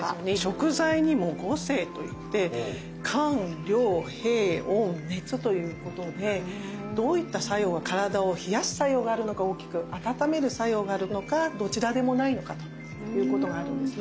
食材にも「五性」といって「寒涼平温熱」ということでどういった作用が体を冷やす作用があるのか大きく温める作用があるのかどちらでもないのかということがあるんですね。